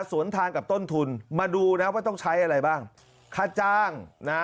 สวนทางกับต้นทุนมาดูนะว่าต้องใช้อะไรบ้าง